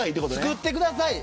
つくってください。